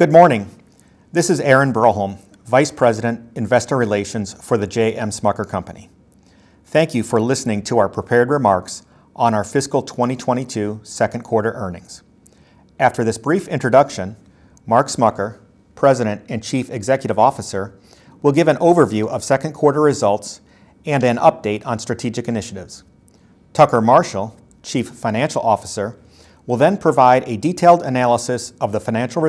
Good morning. This is Aaron Broholm, Vice President, Investor Relations for The J.M. Smucker Company. Thank you for listening to our prepared remarks on our Fiscal 2022 second quarter earnings. After this brief introduction, Mark Smucker, President and Chief Executive Officer, will give an overview of second quarter results and an update on strategic initiatives. Tucker Marshall, Chief Financial Officer, will then provide a detailed analysis of the financial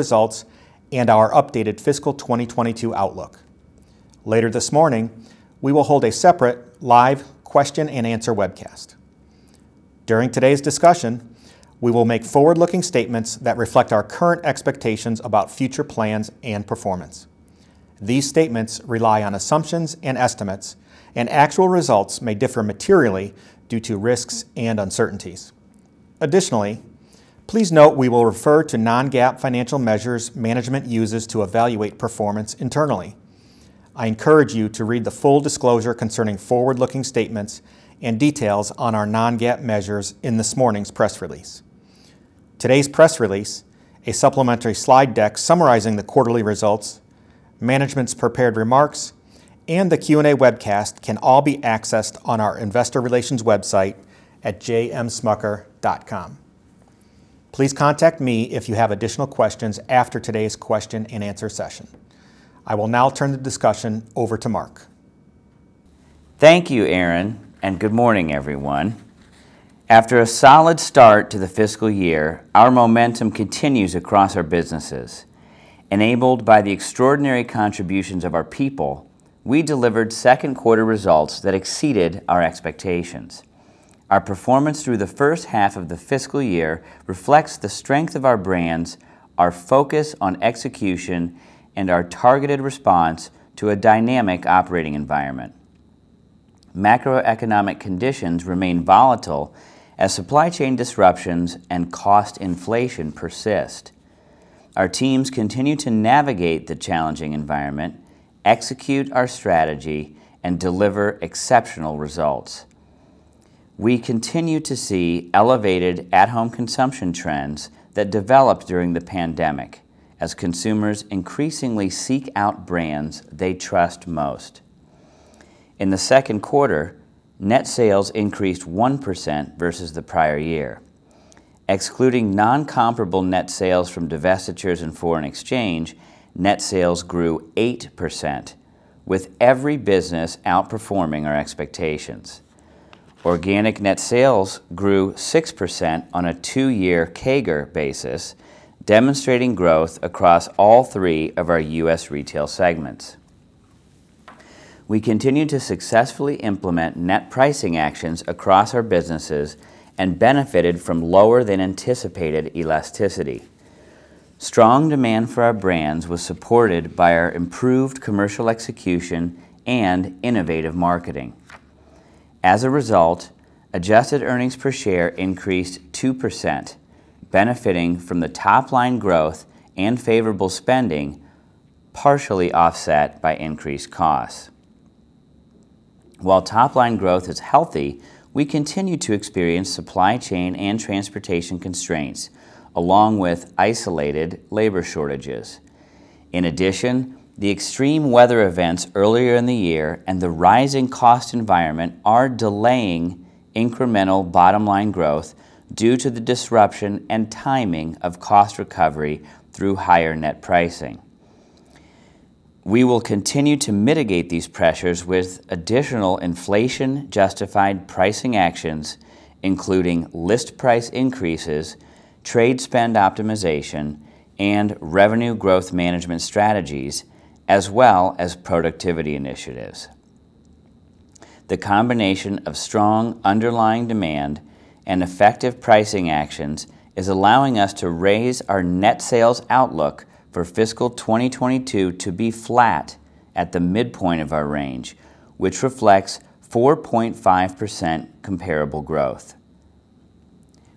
results and our updated Fiscal 2022 outlook. Later this morning, we will hold a separate live question-and-answer webcast. During today's discussion, we will make forward-looking statements that reflect our current expectations about future plans and performance. These statements rely on assumptions and estimates, and actual results may differ materially due to risks and uncertainties. Additionally, please note we will refer to non-GAAP financial measures management uses to evaluate performance internally. I encourage you to read the full disclosure concerning forward-looking statements and details on our non-GAAP measures in this morning's press release. Today's press release, a supplementary slide deck summarizing the quarterly results, management's prepared remarks, and the Q&A webcast can all be accessed on our investor relations website at jmsmucker.com. Please contact me if you have additional questions after today's question-and-answer session. I will now turn the discussion over to Mark. Thank you, Aaron, and good morning, everyone. After a solid start to the fiscal year, our momentum continues across our businesses. Enabled by the extraordinary contributions of our people, we delivered second quarter results that exceeded our expectations. Our performance through the first half of the fiscal year reflects the strength of our brands, our focus on execution, and our targeted response to a dynamic operating environment. Macroeconomic conditions remain volatile as supply chain disruptions and cost inflation persist. Our teams continue to navigate the challenging environment, execute our strategy, and deliver exceptional results. We continue to see elevated at-home consumption trends that developed during the pandemic as consumers increasingly seek out brands they trust most. In the second quarter, net sales increased 1% versus the prior year. Excluding non-comparable net sales from divestitures and foreign exchange, net sales grew 8%, with every business outperforming our expectations. Organic net sales grew 6% on a two-year CAGR basis, demonstrating growth across all three of our U.S. retail segments. We continued to successfully implement net pricing actions across our businesses and benefited from lower than anticipated elasticity. Strong demand for our brands was supported by our improved commercial execution and innovative marketing. As a result, adjusted earnings per share increased 2%, benefiting from the top-line growth and favorable spending, partially offset by increased costs. While top-line growth is healthy, we continue to experience supply chain and transportation constraints, along with isolated labor shortages. In addition, the extreme weather events earlier in the year and the rising cost environment are delaying incremental bottom-line growth due to the disruption and timing of cost recovery through higher net pricing. We will continue to mitigate these pressures with additional inflation-justified pricing actions, including list price increases, trade spend optimization, and revenue growth management strategies, as well as productivity initiatives. The combination of strong underlying demand and effective pricing actions is allowing us to raise our net sales outlook for Fiscal 2022 to be flat at the midpoint of our range, which reflects 4.5% comparable growth.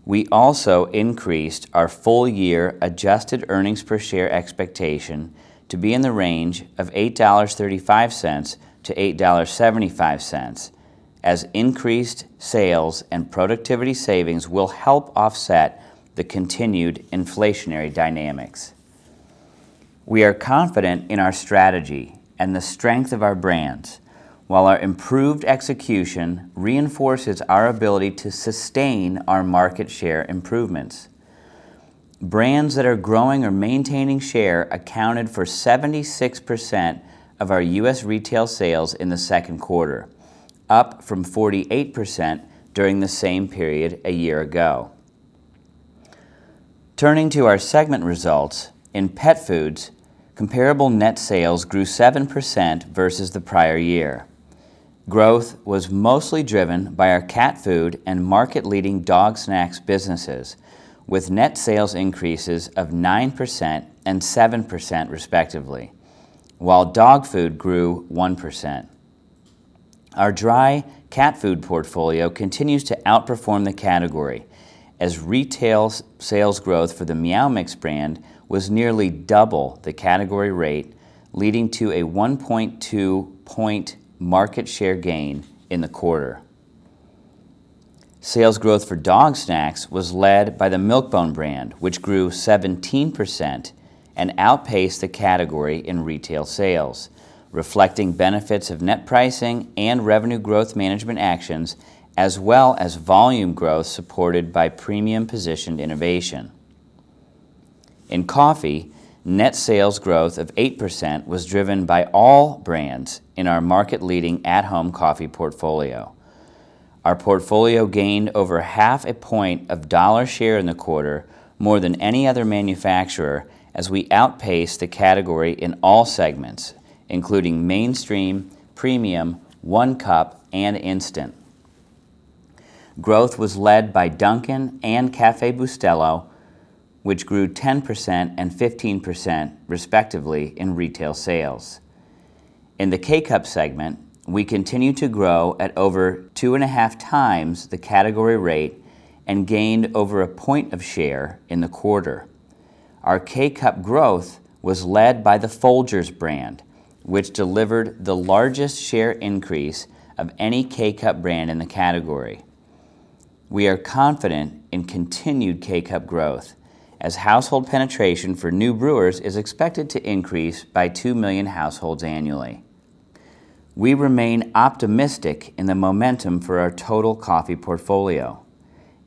We also increased our full-year adjusted earnings per share expectation to be in the range of $8.35-$8.75, as increased sales and productivity savings will help offset the continued inflationary dynamics. We are confident in our strategy and the strength of our brands, while our improved execution reinforces our ability to sustain our market share improvements. Brands that are growing or maintaining share accounted for 76% of our U.S. retail sales in the second quarter, up from 48% during the same period a year ago. Turning to our segment results, in pet foods, comparable net sales grew 7% versus the prior year. Growth was mostly driven by our Cat Food and market-leading Dog Snacks businesses, with net sales increases of 9% and 7% respectively, while Dog Food grew 1%. Our dry cat food portfolio continues to outperform the category, as retail sales growth for the Meow Mix brand was nearly double the category rate, leading to a 1.2-point market share gain in the quarter. Sales growth for dog snacks was led by the Milk-Bone brand, which grew 17% and outpaced the category in retail sales, reflecting benefits of net pricing and revenue growth management actions, as well as volume growth supported by premium-positioned innovation. In Coffee, net sales growth of 8% was driven by all brands in our market-leading at-home coffee portfolio. Our portfolio gained over 0.5 point of dollar share in the quarter, more than any other manufacturer as we outpaced the category in all segments, including mainstream, premium, one cup, and instant. Growth was led by Dunkin' and Café Bustelo, which grew 10% and 15% respectively in retail sales. In the K-Cup segment, we continued to grow at over 2.5x the category rate and gained over a point of share in the quarter. Our K-Cup growth was led by the Folgers brand, which delivered the largest share increase of any K-Cup brand in the category. We are confident in continued K-Cup growth as household penetration for new brewers is expected to increase by 2 million households annually. We remain optimistic in the momentum for our total coffee portfolio.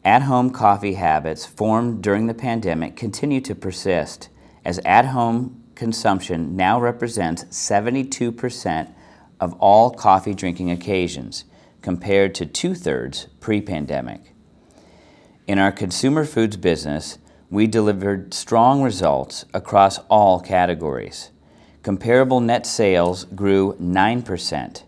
At-home coffee habits formed during the pandemic continue to persist as at-home consumption now represents 72% of all coffee drinking occasions, compared to 2/3 pre-pandemic. In our Consumer Foods business, we delivered strong results across all categories. Comparable net sales grew 9%.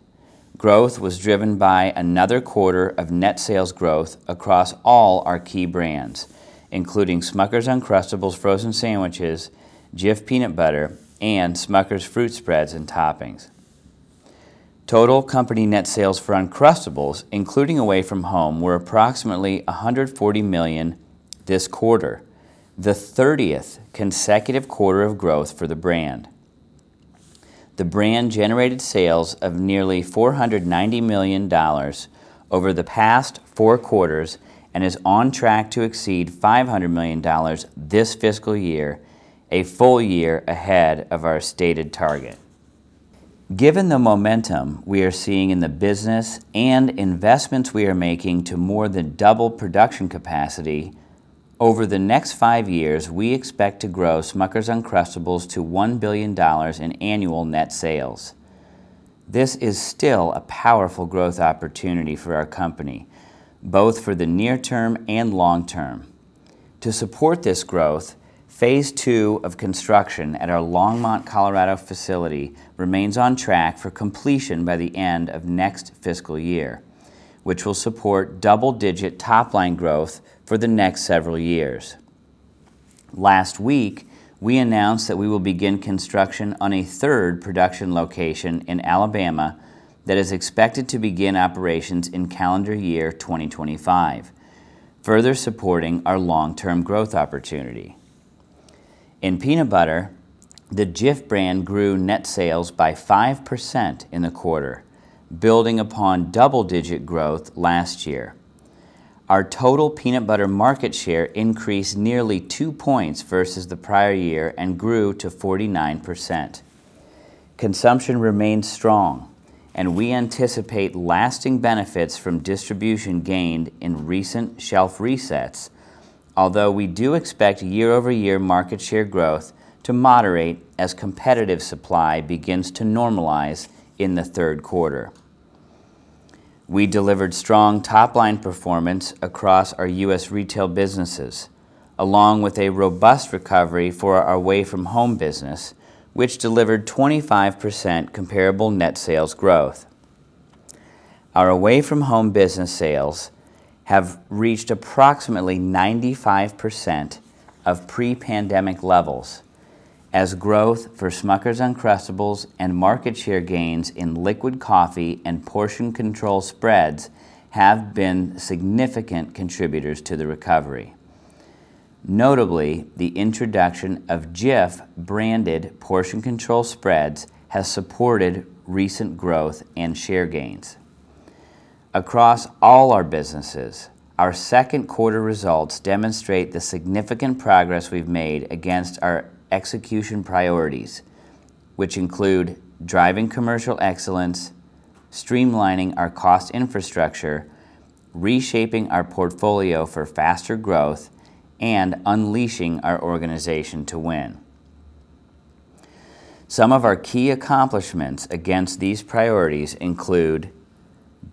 Growth was driven by another quarter of net sales growth across all our key brands, including Smucker's Uncrustables frozen sandwiches, Jif peanut butter, and Smucker's fruit spreads and toppings. Total company net sales for Uncrustables, including Away From Home, were approximately $140 million this quarter, the 30th consecutive quarter of growth for the brand. The brand generated sales of nearly $490 million over the past four quarters and is on track to exceed $500 million this fiscal year, a full-year ahead of our stated target. Given the momentum we are seeing in the business and investments we are making to more than double production capacity, over the next five years, we expect to grow Smucker's Uncrustables to $1 billion in annual net sales. This is still a powerful growth opportunity for our company, both for the near-term and long-term. To support this growth, Phase 2 of construction at our Longmont, Colorado facility remains on track for completion by the end of next fiscal year, which will support double-digit top-line growth for the next several years. Last week, we announced that we will begin construction on a third production location in Alabama that is expected to begin operations in calendar year 2025, further supporting our long-term growth opportunity. In peanut butter, the Jif brand grew net sales by 5% in the quarter, building upon double-digit growth last year. Our total peanut butter market share increased nearly two points versus the prior year and grew to 49%. Consumption remains strong, and we anticipate lasting benefits from distribution gained in recent shelf resets. Although we do expect year-over-year market share growth to moderate as competitive supply begins to normalize in the third quarter. We delivered strong top-line performance across our U.S. Retail businesses, along with a robust recovery for our Away From Home business, which delivered 25% comparable net sales growth. Our Away From Home business sales have reached approximately 95% of pre-pandemic levels as growth for Smucker's Uncrustables and market share gains in liquid coffee and portion control spreads have been significant contributors to the recovery. Notably, the introduction of Jif-branded portion control spreads has supported recent growth and share gains. Across all our businesses, our second quarter results demonstrate the significant progress we've made against our execution priorities, which include driving commercial excellence, streamlining our cost infrastructure, reshaping our portfolio for faster growth, and unleashing our organization to win. Some of our key accomplishments against these priorities include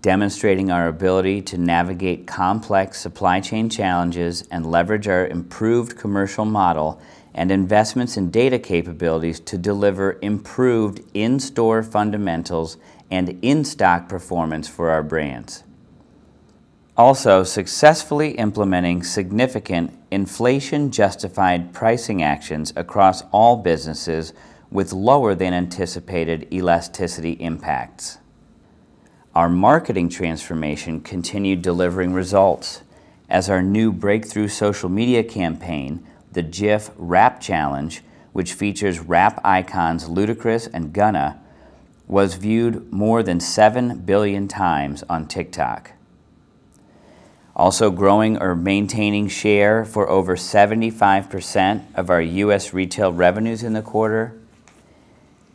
demonstrating our ability to navigate complex supply chain challenges and leverage our improved commercial model and investments in data capabilities to deliver improved in-store fundamentals and in-stock performance for our brands. Also, successfully implementing significant inflation-justified pricing actions across all businesses with lower than anticipated elasticity impacts. Our marketing transformation continued delivering results as our new breakthrough social media campaign, the JifRapChallenge, which features rap icons Ludacris and Gunna, was viewed more than 7 billion times on TikTok. Also growing or maintaining share for over 75% of our U.S. retail revenues in the quarter,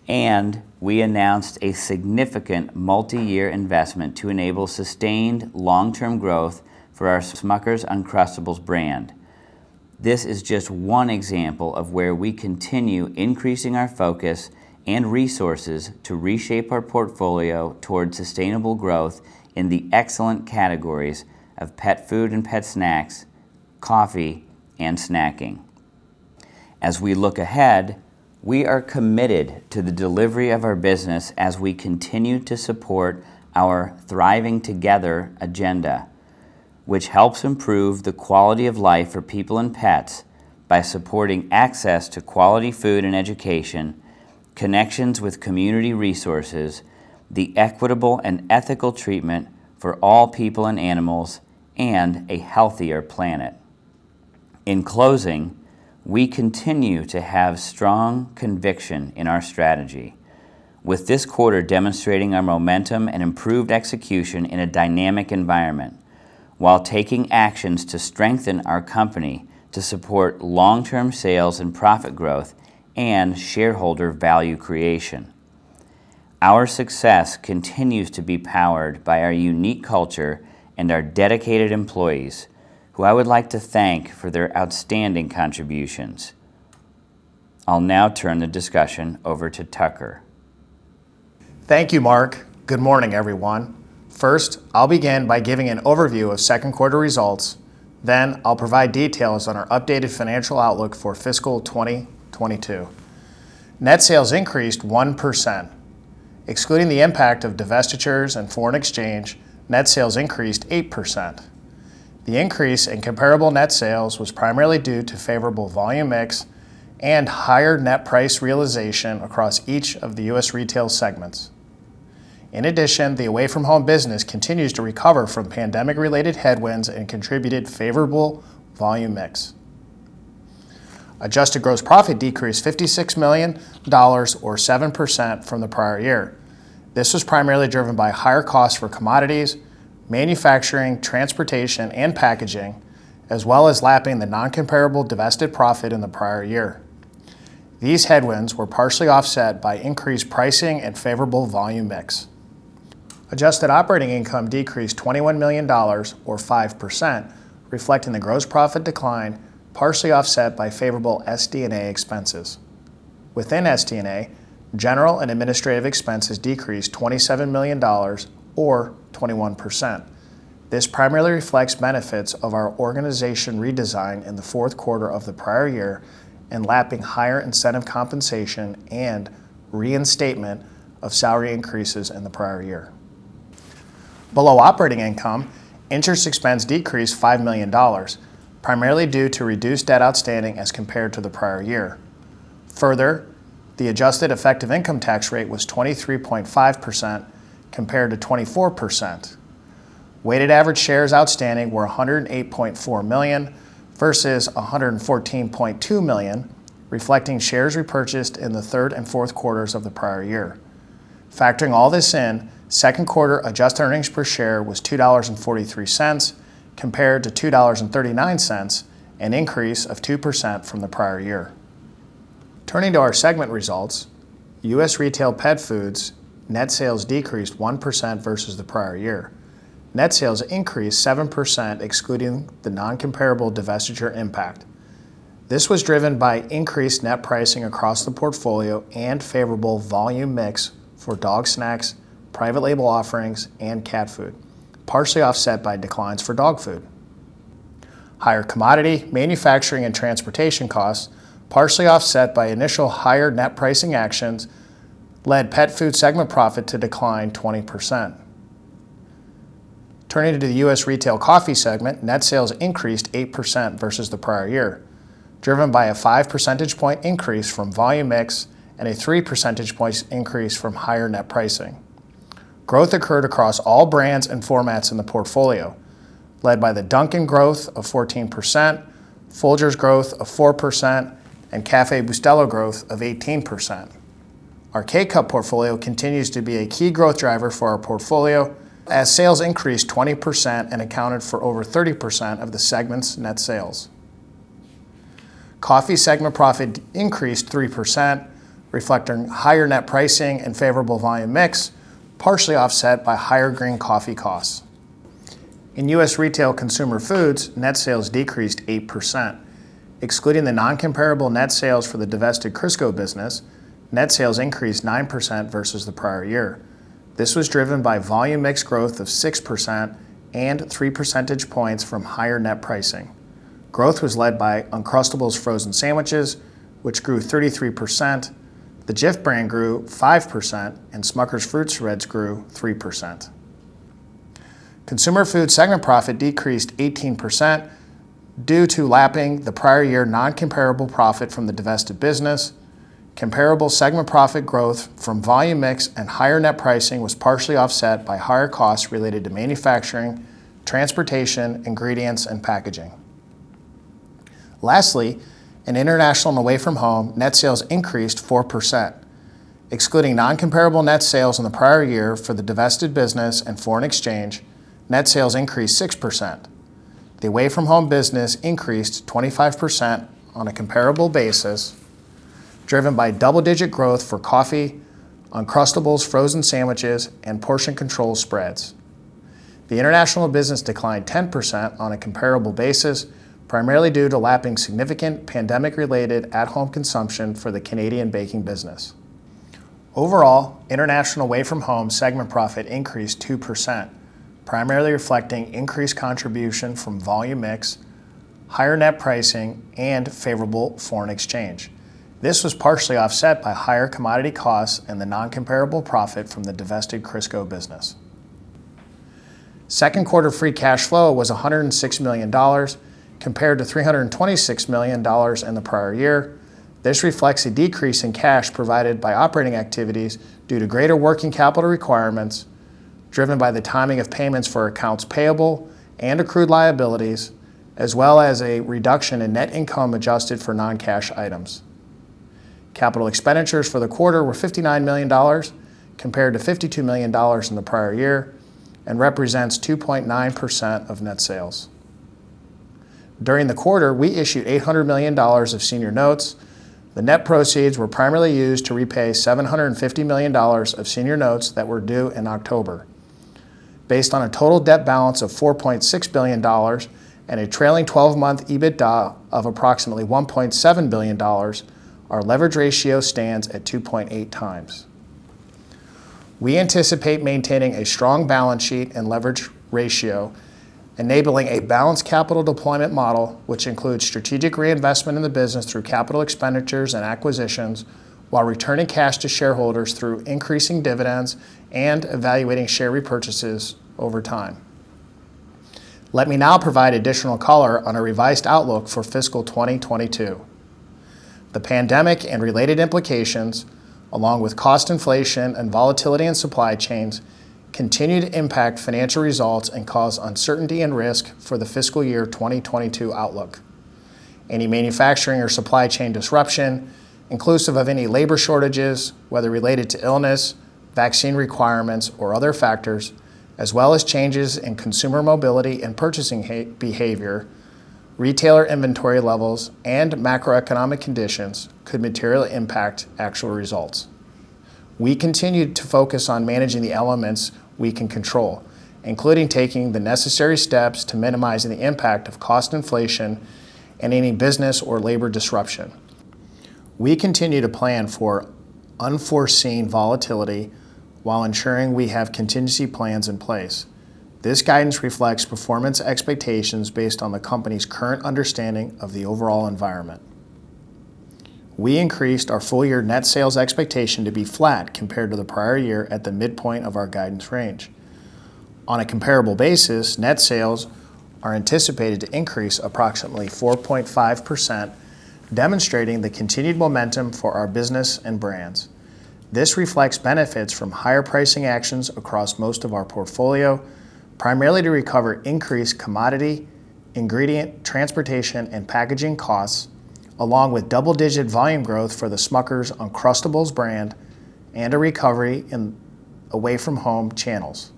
and we announced a significant multi-year investment to enable sustained long-term growth for our Smucker's Uncrustables brand. This is just one example of where we continue increasing our focus and resources to reshape our portfolio towards sustainable growth in the excellent categories of pet food and pet snacks, coffee, and snacking. As we look ahead, we are committed to the delivery of our business as we continue to support our Thriving Together agenda, which helps improve the quality of life for people and pets by supporting access to quality food and education, connections with community resources, the equitable and ethical treatment for all people and animals, and a healthier planet. In closing, we continue to have strong conviction in our strategy. With this quarter demonstrating our momentum and improved execution in a dynamic environment while taking actions to strengthen our company to support long-term sales and profit growth and shareholder value creation. Our success continues to be powered by our unique culture and our dedicated employees, who I would like to thank for their outstanding contributions. I'll now turn the discussion over to Tucker. Thank you, Mark. Good morning, everyone. First, I'll begin by giving an overview of second quarter results, then I'll provide details on our updated financial outlook for Fiscal 2022. Net sales increased 1%. Excluding the impact of divestitures and foreign exchange, net sales increased 8%. The increase in comparable net sales was primarily due to favorable volume mix and higher net price realization across each of the U.S. Retail segments. In addition, the Away From Home business continues to recover from pandemic-related headwinds and contributed favorable volume mix. Adjusted gross profit decreased $56 million or 7% from the prior year. This was primarily driven by higher costs for commodities, manufacturing, transportation, and packaging, as well as lapping the non-comparable divested profit in the prior year. These headwinds were partially offset by increased pricing and favorable volume mix. Adjusted operating income decreased $21 million or 5%, reflecting the gross profit decline, partially offset by favorable SD&A expenses. Within SD&A, general and administrative expenses decreased $27 million or 21%. This primarily reflects benefits of our organization redesign in the fourth quarter of the prior year and lapping higher incentive compensation and reinstatement of salary increases in the prior year. Below operating income, interest expense decreased $5 million, primarily due to reduced debt outstanding as compared to the prior year. Further, the adjusted effective income tax rate was 23.5% compared to 24%. Weighted average shares outstanding were 108.4 million versus 114.2 million, reflecting shares repurchased in the third and fourth quarters of the prior year. Factoring all this in, second quarter adjusted earnings per share was $2.43 compared to $2.39, an increase of 2% from the prior year. Turning to our segment results, U.S. Retail Pet Foods net sales decreased 1% versus the prior year. Net sales increased 7% excluding the non-comparable divestiture impact. This was driven by increased net pricing across the portfolio and favorable volume mix for dog snacks, private label offerings, and cat food, partially offset by declines for dog food. Higher commodity, manufacturing, and transportation costs, partially offset by initial higher net pricing actions, led pet food segment profit to decline 20%. Turning to the U.S. Retail Coffee segment, net sales increased 8% versus the prior year, driven by a 5% point increase from volume mix and a 3% points increase from higher net pricing. Growth occurred across all brands and formats in the portfolio, led by the Dunkin' growth of 14%, Folgers growth of 4%, and Café Bustelo growth of 18%. Our K-Cup portfolio continues to be a key growth driver for our portfolio as sales increased 20% and accounted for over 30% of the segment's net sales. Coffee segment profit increased 3%, reflecting higher net pricing and favorable volume mix, partially offset by higher green coffee costs. In U.S. Retail Consumer foods, net sales decreased 8%. Excluding the non-comparable net sales for the divested Crisco business, net sales increased 9% versus the prior year. This was driven by volume mix growth of 6% and 3% points from higher net pricing. Growth was led by Uncrustables frozen sandwiches, which grew 33%, the Jif brand grew 5%, and Smucker's fruit spreads grew 3%. Consumer Food segment profit decreased 18% due to lapping the prior year non-comparable profit from the divested business. Comparable segment profit growth from volume mix and higher net pricing was partially offset by higher costs related to manufacturing, transportation, ingredients, and packaging. Lastly, in International and Away From Home, net sales increased 4%. Excluding non-comparable net sales in the prior year for the divested business and foreign exchange, net sales increased 6%. The Away From Home business increased 25% on a comparable basis, driven by double-digit growth for coffee, Uncrustables frozen sandwiches, and portion control spreads. The International business declined 10% on a comparable basis, primarily due to lapping significant pandemic-related at-home consumption for the Canadian baking business. Overall, International Away From Home segment profit increased 2%, primarily reflecting increased contribution from volume mix, higher net pricing, and favorable foreign exchange. This was partially offset by higher commodity costs and the non-comparable profit from the divested Crisco business. Second quarter free cash flow was $106 million compared to $326 million in the prior year. This reflects a decrease in cash provided by operating activities due to greater working capital requirements, driven by the timing of payments for accounts payable and accrued liabilities, as well as a reduction in net income adjusted for non-cash items. Capital expenditures for the quarter were $59 million compared to $52 million in the prior year and represents 2.9% of net sales. During the quarter, we issued $800 million of senior notes. The net proceeds were primarily used to repay $750 million of senior notes that were due in October. Based on a total debt balance of $4.6 billion and a trailing 12-month EBITDA of approximately $1.7 billion, our leverage ratio stands at 2.8x. We anticipate maintaining a strong balance sheet and leverage ratio, enabling a balanced capital deployment model, which includes strategic reinvestment in the business through capital expenditures and acquisitions while returning cash to shareholders through increasing dividends and evaluating share repurchases over time. Let me now provide additional color on our revised outlook for Fiscal 2022. The pandemic and related implications, along with cost inflation and volatility in supply chains, continue to impact financial results and cause uncertainty and risk for the fiscal year 2022 outlook. Any manufacturing or supply chain disruption, inclusive of any labor shortages, whether related to illness, vaccine requirements, or other factors, as well as changes in consumer mobility and purchasing behavior, retailer inventory levels, and macroeconomic conditions could materially impact actual results. We continue to focus on managing the elements we can control, including taking the necessary steps to minimize the impact of cost inflation and any business or labor disruption. We continue to plan for unforeseen volatility while ensuring we have contingency plans in place. This guidance reflects performance expectations based on the company's current understanding of the overall environment. We increased our full-year net sales expectation to be flat compared to the prior year at the midpoint of our guidance range. On a comparable basis, net sales are anticipated to increase approximately 4.5%, demonstrating the continued momentum for our business and brands. This reflects benefits from higher pricing actions across most of our portfolio, primarily to recover increased commodity, ingredient, transportation, and packaging costs, along with double-digit volume growth for the Smucker's Uncrustables brand and a recovery in Away From Home channels.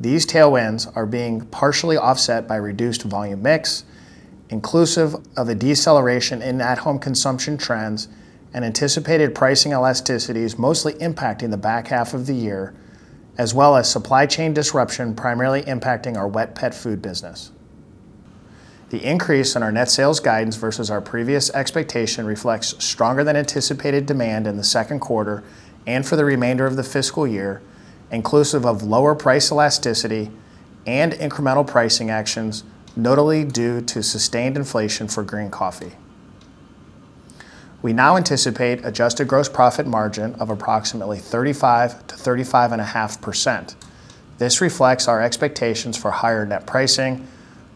These tailwinds are being partially offset by reduced volume mix, inclusive of a deceleration in at-home consumption trends and anticipated pricing elasticities mostly impacting the back half of the year, as well as supply chain disruption primarily impacting our Wet Pet Food business. The increase in our net sales guidance versus our previous expectation reflects stronger than anticipated demand in the second quarter and for the remainder of the fiscal year, inclusive of lower price elasticity and incremental pricing actions, notably due to sustained inflation for green coffee. We now anticipate adjusted gross profit margin of approximately 35%-35.5%. This reflects our expectations for higher net pricing,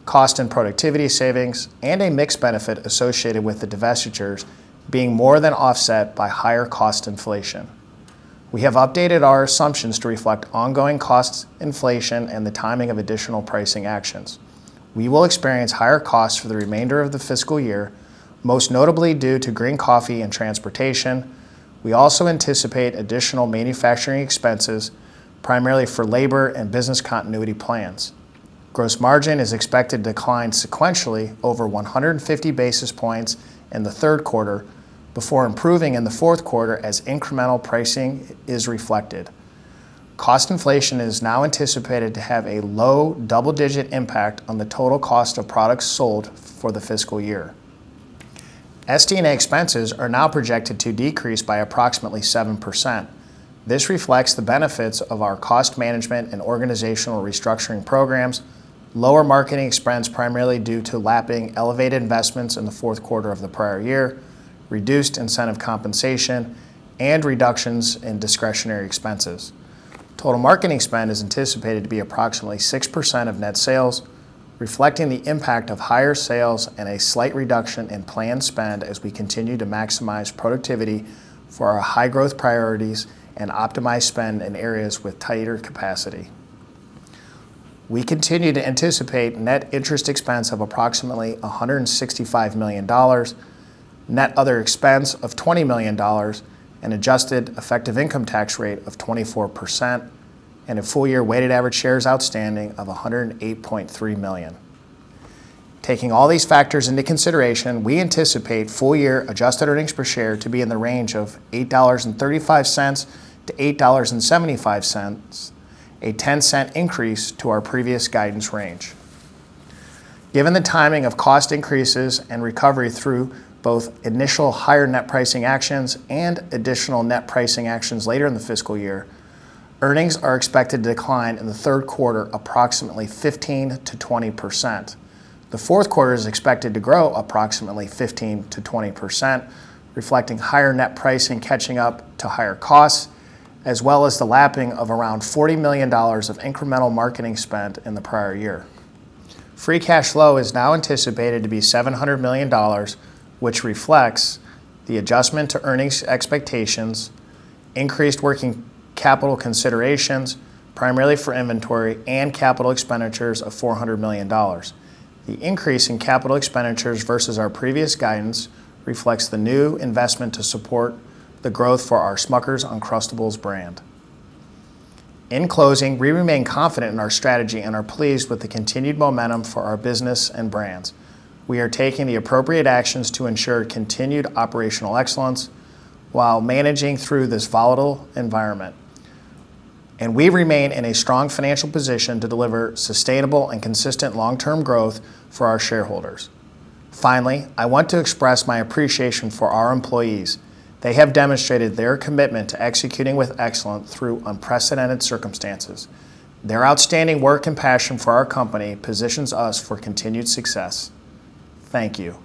cost and productivity savings, and a mix benefit associated with the divestitures being more than offset by higher cost inflation. We have updated our assumptions to reflect ongoing costs inflation and the timing of additional pricing actions. We will experience higher costs for the remainder of the fiscal year, most notably due to green coffee and transportation. We also anticipate additional manufacturing expenses, primarily for labor and business continuity plans. Gross margin is expected to decline sequentially over 150 basis points in the third quarter before improving in the fourth quarter as incremental pricing is reflected. Cost inflation is now anticipated to have a low double-digit impact on the total cost of products sold for the fiscal year. SD&A expenses are now projected to decrease by approximately 7%. This reflects the benefits of our cost management and organizational restructuring programs, lower marketing expense primarily due to lapping elevated investments in the fourth quarter of the prior year, reduced incentive compensation, and reductions in discretionary expenses. Total marketing spend is anticipated to be approximately 6% of net sales, reflecting the impact of higher sales and a slight reduction in planned spend as we continue to maximize productivity for our high-growth priorities and optimize spend in areas with tighter capacity. We continue to anticipate net interest expense of approximately $165 million, net other expense of $20 million, an adjusted effective income tax rate of 24%, and a full-year weighted average shares outstanding of 108.3 million. Taking all these factors into consideration, we anticipate full-year adjusted earnings per share to be in the range of $8.35-$8.75, a 10-cent increase to our previous guidance range. Given the timing of cost increases and recovery through both initial higher net pricing actions and additional net pricing actions later in the fiscal year, earnings are expected to decline in the third quarter approximately 15%-20%. The fourth quarter is expected to grow approximately 15%-20%, reflecting higher net pricing catching up to higher costs, as well as the lapping of around $40 million of incremental marketing spent in the prior year. Free cash flow is now anticipated to be $700 million, which reflects the adjustment to earnings expectations, increased working capital considerations, primarily for inventory and capital expenditures of $400 million. The increase in capital expenditures versus our previous guidance reflects the new investment to support the growth for our Smucker's Uncrustables brand. In closing, we remain confident in our strategy and are pleased with the continued momentum for our business and brands. We are taking the appropriate actions to ensure continued operational excellence while managing through this volatile environment. We remain in a strong financial position to deliver sustainable and consistent long-term growth for our shareholders. Finally, I want to express my appreciation for our employees. They have demonstrated their commitment to executing with excellence through unprecedented circumstances. Their outstanding work and passion for our company positions us for continued success. Thank you.